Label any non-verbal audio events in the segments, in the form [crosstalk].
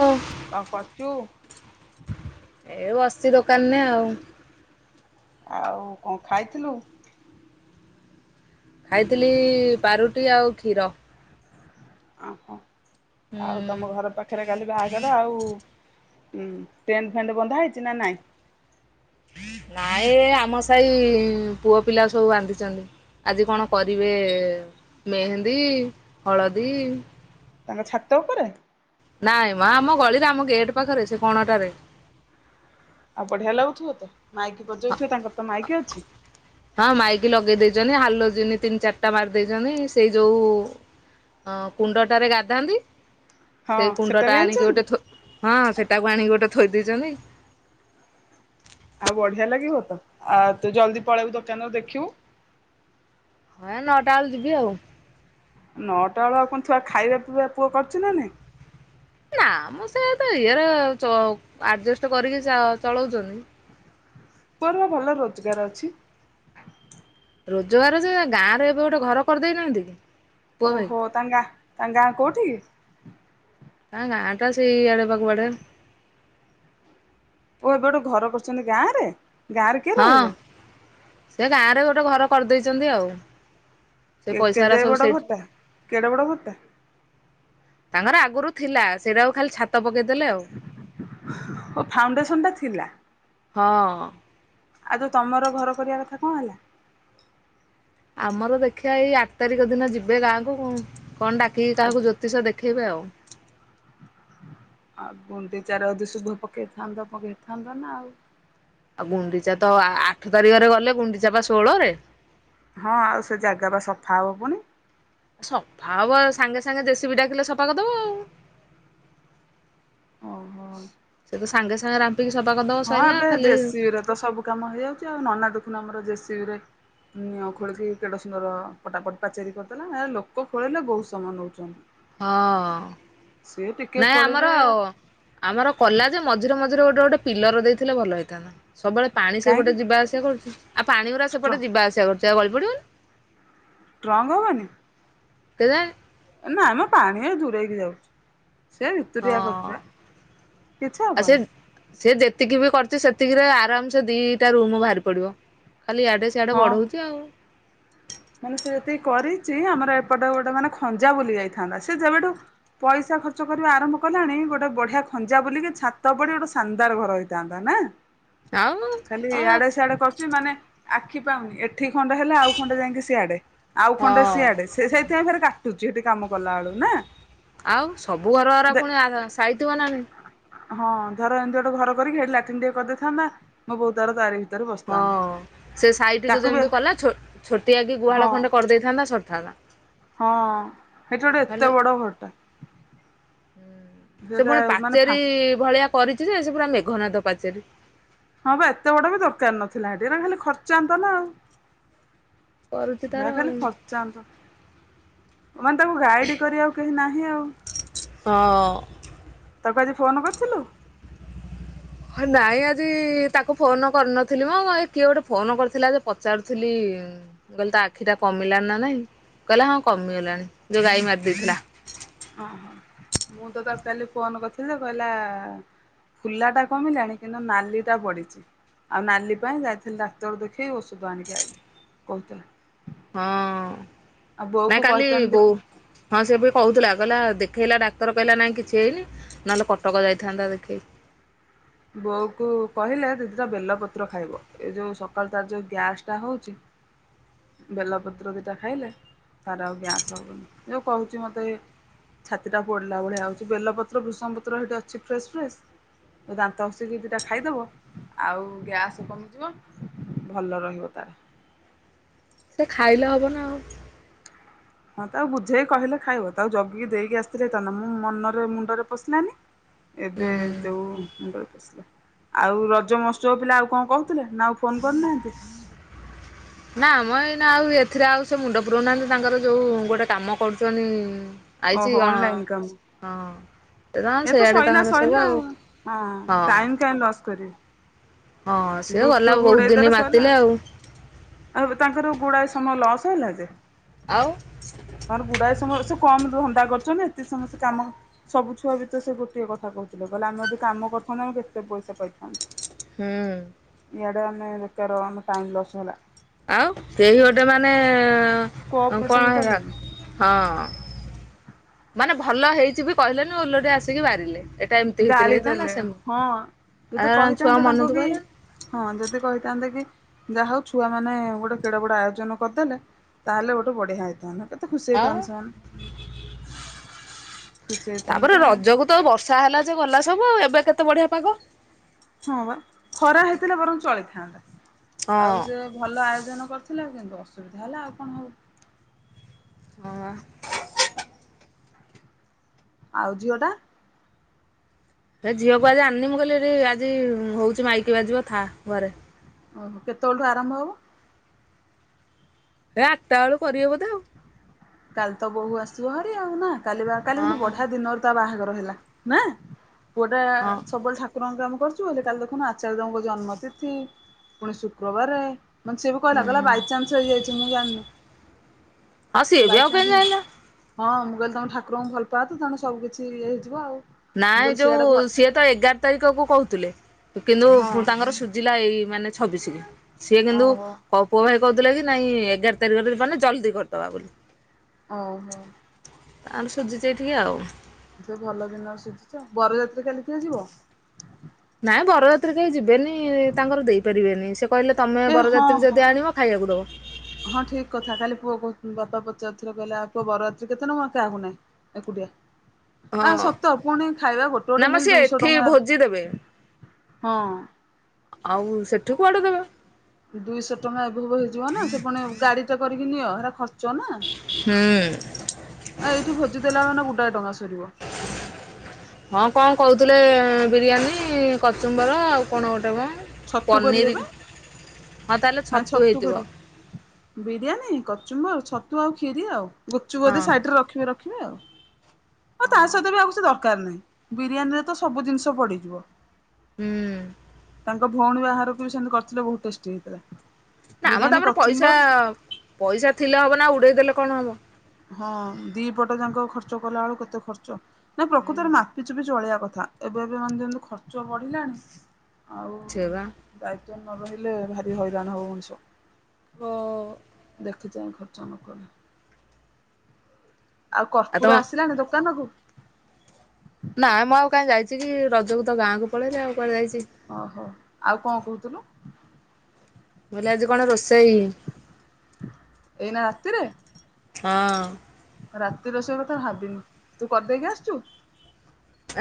ହଁ। କଣ କରୁଛୁ? ଏ ବସିଛି ଦୋକାନରେ ଆଉ। ଆଉ କଣ ଖାଇଥିଲୁ? ଖାଇଥିଲି ପାଉରୁଟି ଆଉ କ୍ଷୀର। ଓହୋ ହୁଁ ଆଉ ତମ ଘର ପାଖ ପାଖରେ କାଲି ବାହାଘର ଆଉ ଟେଣ୍ଟ ଫେଣ୍ଟ ବନ୍ଧା ହେଇଛି ନା ନାଇଁ। ନାଇଁ ଆମ ସାହି ପୁଅ ପିଲା ସବୁ ବାନ୍ଧିଛନ୍ତି। ଆଜି କଣ କରିବେ ମେହେନ୍ଦୀ ହଳଦୀ। ତାଙ୍କ ଛାତ ଉପରେ। ନାଇଁ ମା ଆମ ଗଳିରେ ଆମ ଗେଟ୍ ପାଖରେ ସେ କଣଟାରେ। ଆଉ ବଢ଼ିଆ ଲାଗୁଥିବ ତ ମାଇକି ବଜଉଥିବ ତାଙ୍କର ତ ମାଇକ ଅଛି। ହଁ ମାଇକି ଲଗେଇ ଦେଇଛନ୍ତି ହାଲୋଜିନି ତିନି ଚାରିଟା ମାରି ଦେଇଛନ୍ତି ସେଇ ଯୋଉ ହଁ କୁଣ୍ଡଟାରେ ଗାଧାନ୍ତି ହଁ ସେଇ କୁଣ୍ଡ ସେଟା ବି ଟା ଆଣିକି ଆଣିଛନ୍ତି ଗୋଟେ ଥୋ ହଁ ସେଟାକୁ ଆଣିକି ଗୋଟେ ଥୋଇ ଦେଇଛନ୍ତି। ଆଉ ବଢ଼ିଆ ଲାଗିବ ତ ଆ ତୁ ଜଲଦୀ ପଳେଇବୁ ଦୋକାନରୁ ଦେଖିବୁ। ହଁ ଏ ନଅଟା ବେଳେ ଯିବି ଆଉ। ନଅଟା ବେଳ ଆଉ କଣ ଛୁଆ ଖାଇବା ପିଇବା ପୁଅ କରୁଛି ନା ନାଇଁ। ନା ଆମ ସେ ତ ଇଏରେ ଚ ଆଡଜଷ୍ଟ କରିକି ଚଳଉଛନ୍ତି। ପୁଅର ବା ଭଲ ରୋଜଗାର ଅଛି। ରୋଜଗାର ଯେ ଗାଁରେ ଏବେ ଗୋଟେ ଘର କରିଦେଇନାହାନ୍ତି କି। ପୁଅ ଭାଇ ଓହୋ ତାଙ୍କ ଗାଁ ତାଙ୍କ ଗାଁ କୋଉଠି? ହଁ ଗାଁ ଟା ସେଇ ଆଡେ ବା କୁଆଡେ। ଓ ଏବେ ଘର କରୁଛନ୍ତି ଗାଁ ରେ। ହଁ ସେ ଗାଁ ରେ ଗୋଟେ ଘର କରିଦେଇଛନ୍ତି ଆଉ। ସେ ପଇସାରା ସବୁ ସେଇଠି। କେଡ଼େ ବଡ଼ ଘରଟା? ତାଙ୍କର ଆଗରୁ ଥିଲା ସେଇଟା ଆଉ ଖାଲି ଛା ତ ପକେଇଦେଲେ ଆଉ ଓ ଫାଉଣ୍ଡେସନ ଟା ଥିଲା ହଁ। ଆଉ ତୋ ତମର ଘର କରିବା କଥା କଣ ହେଲା। ଆମର ଦେଖିବା ଏଇ ଆଠ ତାରିଖ ଦିନ ଯିବେ ଗାଁକୁ କଣ ଡାକିକି ଆଉ କାହାକୁ ଜୋ ତିସ ଦେଖେଇବେ ଆଉ। ଆଉ ଗୁଣ୍ଡିଚାର ଯଦି ଶୁଭ ପକେଇଥାନ୍ତ ପକେଇଥାନ୍ତ ନା ଆଉ। ଆଉ ଗୁଣ୍ଡିଚା ତ ଆଠ ତାରିଖରେ ଗଲେ, ଗୁଣ୍ଡିଚା ବା ଷୋଳରେ। ହଁ ଆଉ ସେ ଜାଗା ବା ସଫା ହବ ପୁଣି। ସଫା ହବ, ସାଙ୍ଗେ ସାଙ୍ଗେ ଜେସିବି ଡାକିଲେ ସଫା କରଦବ ଆଉ। ଓହୋ ସେ ତ ସାଙ୍ଗେ ସାଙ୍ଗେ ରାମ୍ପିକି ସଫା କରଦବ ହଁ ସଇଲା। ଏବେ ଖାଲି ଜେସିବି ରେ ତ ସବୁ କାମ ହେଇଯାଉଛି ଆଉ। ନନା ଦେୁଖୁନୁ ଆମର ଜେସିବି ରେ ନିଅଁ ଖୋଳିକି କେଡେ ସୁନ୍ଦର ପଟାପଟ ପାଚେରି କରିଦେଲା। ଏ ଲୋକ ଖୋଳିଲେ ବହୁତ ସମୟ ନଉଛନ୍ତି। ହଁ, ସିଏ ଟିକେ ନାଇଁ ଖୋଳିବେ ଆମର ଆମର କଲା ଯେ ମଝିରେ ମଝିରେ ଗୋଟେ ଗୋଟେ ପିଲର ଦେଇଥିଲେ ଭଲ ହେଇଥାନ୍ତା। ସବୁବେଳେ ପାଣି କାହିଁକି ସେପଟେ ଯିବା ଆସିବା କରୁଛି। ଆଉ ପାଣି ଗୁରା ଷ୍ଟ୍ରଙ୍ଗ ସେପଟେ ଯିବା ଆସିବା କରୁଛି, ଆଉ ଗଳି ପଡ଼ିବନି। ଟ୍ରଙ୍ଗ୍ ହବନି? କେଜାଣି। ନା ମ ପାଣି ଇଏ ଦୂରେଇକି ଯାଉଛି। ସେ ହଁ ଭିତୁରିଆ କରୁଛି ପା। କିଛି ଆଉ ସେ ହବନି। ସେ ଯେତିକି ବି କରିଛି ସେତିକିରେ ଆରାମ ସେ ଦିଟା ରୁମ ବାହାରି ପଡିବ। ଖାଲି ଏଆଡେ ସେଆଡ଼େ ହଁ। ବଢୁଉଛି ଆଉ। ମାନେ ସେ ଯେତିକି କରିଛି, ଆମର ଏପଟେ ଗୋଟେ ମାନେ ଖଞ୍ଜା ବୁଲି ଯାଇଥାନ୍ତା। ସେ ଯେବେଠୁ ପଇସା ଖର୍ଚ୍ଚ କରିବା ଆରମ୍ଭ କଲାଣି, ଗୋଟେ ବଢିଆ ଖଞ୍ଜା ବୁଲିକି, ଛାତ ପଡି ଗୋଟେ ଶାନ୍ଦାର ଘର ହେଇଥାନ୍ତା। ନା। ଆଉ [inaudible] ଖାଲି ହଁ ଇଆଡେ ସିଆଡେ କରୁଛି, ମାନେ ଆଖି ପାଉନି। ଏଠି ଖଣ୍ଡେ ହେଲେ ଆଉ ଖଣ୍ଡେ ଯାଇକି ସିଆଡେ। ଆଉ ଖଣ୍ଡେ ସିଆଡେ। ସେ ସେଇଥିପାଇଁ ଭାରି କାଟୁଚି ସେଠି କାମ କଲା ବେଳୁ, ନା। ଆଉ ସବୁ ଘର ଗରା ଦେ ପୁଣି ସାଇଥିବ ନାଁ ହଁ ଧର ଏମିତି ଗୋଟେ ଘର କରିକି, ହେଟି ଲାଟିନ୍ ଟିକେ କରିଦେଇଥାନ୍ତା। ମୋ ବଉ ତାର ତାରି ଭିତରେ ବସିଥାନ୍ତା ହଁ। ସେ ସାଇଟିକୁ ତାକୁ ବି ଯେମିତି କଲା ଛୋ ଛୋଟିଆ କି ହଁ ଗୁହାଳ ଖଣ୍ଡେ କରିଦେଇଥାନ୍ତା, ସରିଥାନ୍ତା। ହଁ, ସେଇଠି ଆଉ ଗୋଟେ ଏତେ ବଡ ଘରଟା। ହୁଁ। ସେ ସେଟା ପୁଣି ମାନେ ଫା ପାଚେରୀ ଭଳିଆ କରିଛି ଯେ, ସେ ପୁରା ମେଘନାଦ ପାଚେରୀ। ହଁ ବା, ଏତେ ବଡ ବି ଦରକାର ନଥିଲା ହେଠି। ଏଟା ଖାଲି ଖର୍ଚାନ୍ତତା ନା ଆଉ। କରୁଛି ତାର ହେ ଆଉ ଖାଲି ଖର୍ଚ୍ଚାନ୍ତ। ମାନେ ତାକୁ ଗାଇଡ କରିବାକୁ କେହି ନାହିଁ ଆଉ। ତାକୁ ଆଜି ଫୋନ୍ କରିଥିଲୁ? ହ ନାଇଁ ଆଜି ତାକୁ ଫୋନ କରିନଥିଲି ମ, ଇଏ କିଏ ଗୋଟେ ଫୋନ କରିଥିଲା ଯେ ପଚାରୁଥିଲି। ମୁଁ କହିଲ ତ ଆଖି ଟା କମିଲାଣି ନା ନାଇଁ? କହିଲା ହଁ କମିଗଲାଣି। ଯୋଉ ଗାଈ ମାରିଦେଇଥିଲା। ଓ ହୋ। ମୁଁ ତ ତାକୁ କାଲି ଫୋନ କରିଥିଲି ଯେ କହିଲା ଫୁଲା ଟା କମିଲାଣି, କିନ୍ତୁ ନାଲିଟା ବଢିଛି। ଆଉ ନାଲି ପାଇଁ ଯାଇଥିଲି ଡାକ୍ତର ଦେଖେଇ ଔଷଧ ଆଣିକି ଆଇଲି। କହୁଥିଲା। ହଁ। ଆଉ ବୋଉ କୁ ନାଁ କାଲି କହିଥାନ୍ତି ବୋ ହଁ ସେ ବି କହୁଥିଲା, କହିଲା ଦେଖେଇଲା ଡାକ୍ତର କହିଲା ନାଇଁ କିଛି ହେଇନି। ନହେଲେ କଟକ ଯାଇଥାନ୍ତା ଦେଖିଇ। ବୋଉ କୁ କହିଲେ ଦି-ଦିଟା ବେଲପତ୍ର ଖାଇବ। ଏ ଯୋଉ ସକାଳୁ ତାର ଯୋଉ ଗ୍ୟାସ ଟା ହଉଛି ବେଲପତ୍ର ଦିଟା ଖାଇଲେ, ତାର ଆଉ ଗ୍ୟାସ ହବନି। ଯଉ କହୁଛି ମତେ ଛାତି ଟା ପୋଡିଲା ଭଳିଆ ହଉଛି, ବେଲପତ୍ର, ଭେଷୁଙ୍ଗା ପତ୍ର ସେଇଠି ଅଛି ଫ୍ରେଶ୍ ଫ୍ରେଶ୍? ଦାନ୍ତ ଘଷି କି ଦିଟା ଖାଇଦବ, ଆଉ ଗ୍ୟାସ କମିଯିବ। ଭଲ ରହିବ ତାର। ସେ ଖାଇଲେ ହବ ନା ଆଉ। ହଁ ତାକୁ ବୁଝେଇ କହିଲେ ଖାଇବ, ତାକୁ ଜଗିକି ଦେଇକି ଆସିଥିଲେ ହେଇଥାନ୍ତା, ମୁଁ ମନରେ ମୁଣ୍ଡରେ ପଶିଲାନି। ଏବେ ହୁଁ। ଯୋଉ ମୁଣ୍ଡରେ ପଶିଲା। ଆଉ ରଜ ମହୋତ୍ସବ ପିଲା ଆଉ କଣ କହୁଥିଲେ ନା ଆଉ ଫୋନ କରିନାହାନ୍ତି? ନା ମ ଏଇନେ ଆଉ ଏଥିରେ ଆଉ ସେ ମୁଣ୍ଡ ପୁୁରୋଉ ନାହାନ୍ତି ତାଙ୍କର ଯୋଉ ଗୋଟେ କାମ କରୁଛନ୍ତି। ଆଇଛି ଓହୋ ଅନଲାଇନ କାମ କଣ ହଁ। ଏ [unintelligible] ତ ସେଇଆଡ଼େ ସଇଲା ତାଙ୍କର ସଇଲା ସବୁ ଆଉ ହଁ। ଟାଇମ କାହିଁ ଲସ୍ କରିବେ ହଁ ସିଏ ଗ୍ରୁପ ଗଲା ଫ୍ରୁପ ବହୁତ ଉଡ଼େଇ ଦିନ ଦେଲେ ସଇଲା ମାତିଲେ ଆଉ ଆଉ ବି ତାଙ୍କର ଗୁଡ଼ାଏ ସମୟ ଲସ୍ ହେଲା ଯେ। ଆଉ। ତାଙ୍କର ଗୁଡ଼ାଏ ସମୟ ସେ କମ ଧନ୍ଦା କରିଛନ୍ତି ଏତେ ସମୟ ସେ କାମ ସବୁ ଛୁଆ ବି ତ ସେ ଗୋଟଏ କଥା କହୁଥିଲେ କହିଲେ ଆମେ ଯଦି କାମ କରିଥାନ୍ତୁ ଆମେ କେତେ ପଇସା ପାଇଥାନ୍ତୁ। ହୁଁ। ଇଆଡ଼େ ଆମେ ବେକାର ଆମ ଟାଇମ୍ ଲସ୍ ହେଲା। ଆଉ କେହି ଗୋଟେ ମାନେ ଅଁ କଣ କୋଅପରେଟିଭ ହେଲା? କଲେନି ହଁ ମାନେ ଭଲ ହେଇଛି ବି କହିଲେନି ଓଲଟି ଆସିକି ବାରିଲେ ଏ ଟା ଏମିତି ହେଇଥିଲେ ଗାଳି ହେଇଥାନ୍ତା ଦେଲେ ସେମ ହଁ ଯଦି ଆ ଏରା ଛୁଆଙ୍କ କହିଥାନ୍ତେ ତାଙ୍କୁ ମନ କି ଦୁଃଖ ହେଲା ନା [unintelligible] ହଁ ଯଦି କହିଥାନ୍ତେ କି ଯାହା ହୋଉ ଛୁଆ ମାନେ ଗୋଟେ କେଡ ବଡ଼ ଆୟୋଜନ କରିଦେଲେ। ତାହେଲେ ଗୋଟେ ବଢ଼ିଆ ହେଇଥାନ୍ତା। କେତେ ଖୁସି ଆଉ ହେଇଥାନ୍ତି ସେମାନେ ଖୁସି ତାପରେ ହେଇଥାନ୍ତେ। ରଜକୁ ତ ବର୍ଷା ହେଲା ଯେ ଗଲା ସବୁ ଆଉ ଏବେ କେତେ ବଢ଼ିଆ ପାଗ। ହଁ ବା ଖରା ହେଇଥିଲା ବରଂ ଚଳିଥାନ୍ତା ହଁ ଆଉ ସେ ଭଲ ଆୟୋଜନ କରିଥିଲେ କିନ୍ତୁ ଅସୁବିଧା ହେଲା ଆଉ କଣ ହବ। ହଁ ବା। ଆଉ ଝିଅ ଟା? ହେ ଝିଅ କୁଆ ଜାଣିନି ମୁଁ କହିଲି ଏଠି ଆଜି ହୋଉଛି ମାଇକି ବାଜିବ ଥା ଘରେ। ଓହୋ କେତେବେଳଠୁ ଆରମ୍ଭ ହବ। ହେ ଆଠଟା ବେଳୁ କରିବେ ବୋଧେ ଆଉ। କାଲି ତ ବୋହୁ ଆସିବ ହାରି ଆଉ ନା କାଲି ବା କାଲି କିନ୍ତୁ ହଁ ବଢ଼ିଆ ଦିନରେ ତା ବାହାଘର ହେଲା ନା ପୁଅଟା ହଁ ସବୁବେଳେ ଠା କୁରଙ୍କ କାମ କରୁଛି ବୋଲି କାଲି ଦେଖୁନ ଆଚାର୍ଯ୍ୟ ଦେବଙ୍କ ଜନ୍ମ ତିଥି ପୁଣି ଶୁକ୍ରବାରେ। ମାନେ ସେ ବି କହିଲା କହିଲା ବାଇ ହୁଁ ଚାନ୍ସ ହେଇଯାଇଛି ମୁଁ ଜାଣିନି। ହଁ ସିଏ ବି ବାଇ ଆଉ କାହିଁ ଚାନ୍ସ ଯାଇଲା। ହଁ ମୁଁ କହିଲି ତମେ ଠାକୁରଙ୍କୁ ଭଲ ପାଆ ତ ତେଣୁ ସବୁ କିଛି ଇଏ ହେଇଯିବ ଆଉ। ମୁଁ ନାଇଁ କହିଲି ଯୋଉ ସିଆଡେ ଭ ସିଏ ତ ଏଗାର ତାରିଖ କୁ କହୁଥିଲେ କିନ୍ତୁ ହଁ ପୁ ତାଙ୍କର ସୂ ଜିଲା ଏଇ ମାନେ ଛବିସିକି ସିଏ କିନ୍ତୁ ଓହୋ [unintelligible] ପୁଅ ଭାଇ କହୁଥିଲେ କି ନାଇଁ ଏଗାର ତାରିଖରେ ମାନେ ଜଲ୍ଦି କରିଦବା ବୋଲି। ଓ ହୋ। ତାଙ୍କର ସୂଜିଛି ଏଇଠିକି ଆଉ। [unintelligible] ଭଲ ଦିନରେ ସୂଜିଛି ଆଉ ବରଯାତ୍ରୀ କାଲିି କିଏ ଯିବ? ନାଇଁ ବରଯାତ୍ରୀ କେହି ଯିବେନି ତାଙ୍କର ଦେଇ ପାରିବେନି ସେ କହିଲେ ତମ ଏ ହଁ ବରାତ୍ରୀ ହଁ। ଯଦି ଆଣିବ ଖାଇବାକୁ ଦବ। ହଁ ଠିକ କଥା କାଲି ପୁଅ କୁ ବାପା ପଚାରୁଥିଲେ କହିଲେ ଆ ପୁଅ ବରଯାତ୍ରୀ କେତେ ନବ କାହାକୁ ନାହିଁ। ଏକୁଟିଆ। ଆ ହଁ ସତ ପୁଣି ଖାଇବା ଗୋଟେ ନା ଗୋଟେ ମ ମିଲ ସିଏ ଦୁଇଶହ ଏଠି ଭୋଜି ଦେବେ ଟଙ୍କା। ଆଉ ସେଠୁ କୁଆଡ଼ୁ ଦେବେ? ଦୁଇଶହ ଟଙ୍କା ଏଭବ୍ ହେଇଯିବ ନା ସେ ପୁଣି ଗାଡ଼ି ଟା କରିକି ନିଅ ହେରା ଖର୍ଚ ନା। ହୁଁ ଆ ଏଇଠୁ ଭୋଜି ଦେଲା ମାନେ ଗୋଡାଏ ଟଙ୍କା ସରିବ। ହଁ କଣ କରୁଥିଲେ ବିରିୟାନୀ କଚୁମ୍ବର ଆଉ କଣ ଗୋଟେ ମ ଛତୁ କରିବେ ପନିର ବା ହଁ ତାହେଲେ ନା ଛତୁ ହେଇଥିବ। କରିବେ। ବିରିୟାନୀ, କଚୁମ୍ବର, ଛତୁ, ଆଉ ଖୀରି, ଆଉ ଗୁପ୍ ଚୁପ୍ ଜଦି ହଁ ସାଇଟ୍ ରେ ରଖିବେ ରଖିବେ ଆଉ। ଆ ତା ହଁ ସହିତ ବି ଆଉ କିଛି ଦରକାର ନାହିଁ, ବିରିୟାନୀରେ ତ ସବୁ ଜିନିଷ ପଡିଥିବ। ହୁଁ। ତାଙ୍କ ଭୋଉଣୀ ବାଘରକୁ ବି ସେମିତି କରିଥିଲେ ବୋହୁତ ଟେଷ୍ଟି ହେଇଥିଲା। ନା ମ ବିରିୟାନୀ ତାମରେ ପଇସା କଚୁମ୍ବର ପଇସା ଥିଲେ ହବ ନା ଉଡେଇ ଦେଲେ କଣ ହବ? ହଁ ଦି ପଟ ଯାଁକ ଖର୍ଚ୍ଚ କଲାଳୁ କେତେ ଖର୍ଚ୍ଚ ନା ପ୍ରକୃତରେ ହୁଁ ମାପି ଚୁପି ଚଳେଇିଆ କଥା ଏବେ ଏବେ ମାନେ ଯେମିତି ଖର୍ଚ୍ଚ ବଢିଲାଣି, ଆଉ ଛେ ବା ଦାୟିତ୍ୱ ନ ରହିଲେ ଭାରି ହଇରାଣ ହବ ମଣିଷ। ହଁ-ଅ। ଦେଖି ଚାହିଁ ଖର୍ଚ ନ କଲେ ଆଉ କର୍ପୁର ଆସିଲାଣି ଦୋକାନ କୁ? ନାଇଁ ମୁଁ ଆଉ କାଇଁ ଯାଇଚି କି ରଜକୁ ତ ଗାଁକୁ ପଳେଇଲି ଆଉ କୁଆଡେ ଯାଇଚି? ଓହୋ ଆଉ କଁ କୋହୁଥିଲୁ। ମୁଁ କଲି ଆଜି କଣ ରୋଷେଇ? ଏଇନା ରାତିରେ? ହଁ। ରାତି ରୋଷେଇ କଥା ଭାବିନି, ତୁ କରିଦେଇକି ଆସିଚୁ।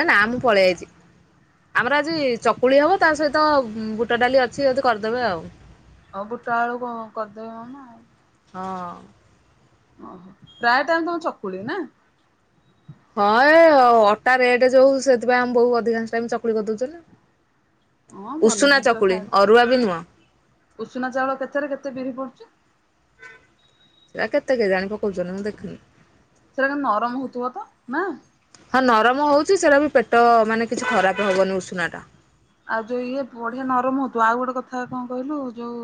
ଏ ନା ମୁଁ ପଳେଆଇଚି। ଆମର ଆଜି ଚକୁଳି ହବ ତା ସହିତ ବୁଟ ଡାଲି ଅଛି ଯଦି କରିଦେବେ ଆଉ‌। ହଉ ବୁଟ ଆଳୁ କଁ କରିଦେବେ ମାମା ଆଉ। ହଁ। ଓହୋ ପ୍ରାୟେ ଟାଇମ ତମ ଚକୁଳି, ନା? ହଁ ଏ ଅଟା ରେଟ ଯୋଉ ସେଥିପାଇଁ ଆମ ବୋଉ ଅଧିକାଂଶ ଟାଇମ୍ ଚକୁଳି କରିଦୋଉଚନ୍ତି। ହଁ ଭଲ ଉଷୁନା ଦିଦିର ଚକୁଳି ଖାଏ। ଅରୁଆ ବି ନୁଅଁ। ଉଷୁନା ଚାଉଳ କେତେରେ କେତେ ବିରି ପଡୁଚି? ସେରା କେତେ କେଇ ଜାଣି ପକୋଉଚନ୍ତି ମୁଁ ଦେଖିନି? ସେଇଟା ନରମ ହୋଉଥିବ ତ, ନା? ହଁ ନରମ ହୋଉଛି ସେଟା ବି ପେଟ ମାନେ କିଛି ଖରାପ ହବନି ଉଷୁନା ଟା। ଆଉ ଯୋଉ ଇଏ ବଢିଆ ନରମ ହୋଉଥୁବ, ଆଉ ଗୋଟେ କଥା କଁ କହିଲୁ ଯୋଉ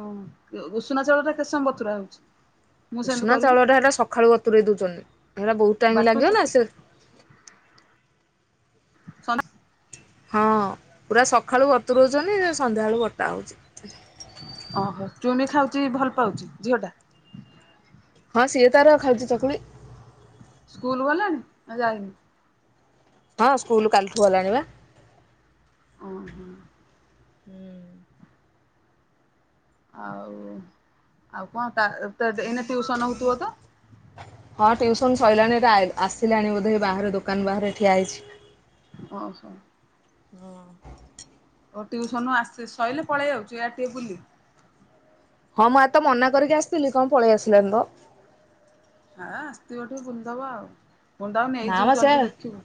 ଓ ଉଷୁନା ଚଉଳଟା କେତେ ସମୟ ବତୁରା ହେଉଛି? ଉଷନା ଚାଉଳଟା ସେଟା ସଖାଳୁ ବତୁରେଇ ଦୋଉଛନ୍ତି ସେଟା ବୋହୁତ ଟାଇମ ବାଟୁଚ ଲାଗିବ ନା ସେ ସନ୍ଦା ହଁ ପୁରା ସଖାଳୁ ବତୁରୋଉଛନ୍ତି ସନ୍ଧ୍ୟାଅଳୁକୁ ବଟା ହୋଉଛି। ଓହୋ ଚୁନି ଖାଉଛି ଭଲ ପାଉଛି ଝିଅ ଟା? ହଁ ସିଏ ତାର ଖାଉଚି ଚକୁଳି। ସ୍କୁଲ ଗଲାଣି ନା ଯାଇନି? ହଁ ସ୍କୁଲ କାଲିଠୁ ଗଲାଣି ପା। ଓହୋ। ଆଉ ଆଉ କଁ ତା ତା ଏଇନା ଟିଉସନ ହୋଉଥିବ ତ? ହଁ ଟିଉସନ ସଇଲାଣି ଏଟା ଆ ଆସିଲାଣି ବୋଧେ ବାହାରେ ଦୋକାନ ବାହାରେ ଠିଆ ହେଇଛି। ଓହୋ। ହୁଁ। ଓ ଟ୍ୟୁସନରୁ ଆସି ସଇଲେ ପଳେଇ ଆଉଚି ଏୟା ଟିକେ ବୁଲି ହଁ ମୁଁ ଆଜି ତ ମନା କରିକି ଆସିଥିଲି କଣ ପଳେଇ ଆସିଲଣି ତ। ହଁ ଆସିଥିବ ଟିକେ ବୁଲିଦବ ଆଉ। ପୁଣି ତାକୁ ନେଇଯିବୁ ନାମ ସିଏ ଜଲ୍ଦି ଦେଖିବୁ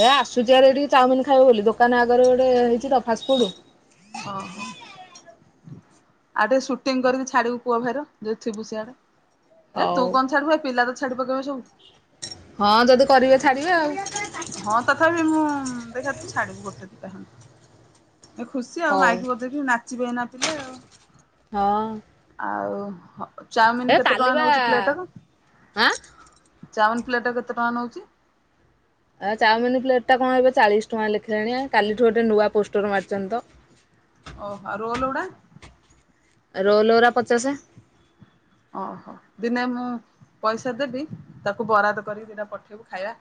ହେ ଆସୁଛିହାରି ଏଠିକି ଚାଉମିନ ଖାଇବ ବୋଲି ଦୋକାନ ଆଗରେ ଗୋଟେ ହେଇଛି ତ ଫାଷ୍ଟ ଫୁଡ। ଓହୋ। ଆଉ ଟିକେ ସୁଟିଂ କରିକି ଛାଡିବୁ ପୁଅଭାଇର ଯଦି ଥିବୁ ସିଆଡେ। ଏ ତୁ ହଉ କଣ ଛାଡିବୁ ଏ ପିଲା ତ ଛାଡିପକେଇବେ ସବୁ। ହଁ ଯଦି କରିବେ ଛାଡିବେ ଆଉ। ହଁ ତଥାପି ମୁଁ ଦେଖା ତୁ ଛାଡିବୁ ଗୋଟେ ଦିଟା ହ। ଏ ଖୁସି ଆଉ ହଉ ମାଇକି ବଜେଇକି ନାଚିବେ ଏନା ପିଲେ ଆଉ। ହଁ ଆଉ ଚାଉମିିନ ଏ କେତେ କାଲି ଟଙ୍କା ବା ନଉଛି ପ୍ଲେଟଟାକୁ? ଆଁ ଚାଉମିନ୍ ପ୍ଲେଟ କେତେ ଟଙ୍କା ନଉଛି? ଆଉ ଚାଉମିନ ପ୍ଲେଟ୍ ଟା କଣ ଏବେ ଚାଳିଶ ଟଙ୍କା ଲେଖିଲାଣି କାଲିଠୁ ଗୋଟେ ନୂଆ ପୋଷ୍ଟର ମାରିଛନ୍ତି ତ। ଓହୋ। ଆଉ ରୋଲଗୁଡା? ରୋଲଗୁରା ପଚାଶ। ଓହୋ ଦିନେ ମୁଁ ପଇସା ଦେବି ତାକୁ ବରାଦ କରିକି ଦିିନେ ପଠେଇବୁ ଖାଇବା।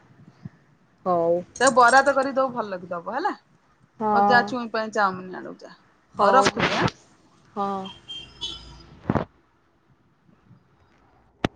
ହଉ। ବରାଦ କରିକିଦୋବୁ ଭଲକି ଦବ ହେଲା। ମ ଯା ଛୁଇଁ ପାଇଁ ଚାଓମିନ ଆଣିବୁ ଯା। ହଉ ହୋଉ ରଖୁଛି ହୋଉ ଆଁ। ହଁ।